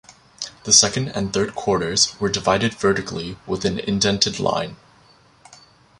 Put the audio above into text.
The second and third quarters were divided vertically with an "indented" line.